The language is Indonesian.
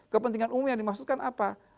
kepentingan umum yang dimaksudkan apa